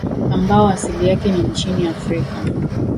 ambao asili yake ni nchini afrika